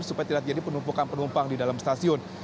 supaya tidak jadi penumpukan penumpang di dalam stasiun